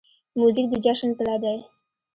موزیک د جشن زړه دی.